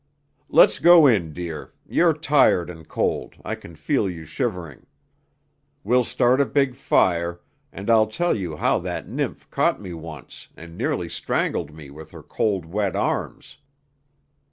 Let's go in, dear; you're tired and cold I can feel you shivering. We'll start a big fire, and I'll tell you how that nymph caught me once and nearly strangled me with her cold, wet arms.